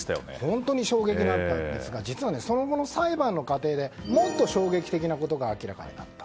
本当に衝撃だったんですが実は、その後の裁判の過程でもっと衝撃的なことが明らかになった。